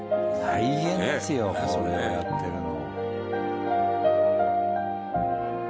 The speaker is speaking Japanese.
大変ですよこれやってるの。